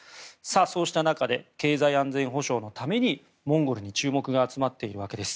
そうした中経済安全保障のためにモンゴルに注目が集まっているわけです。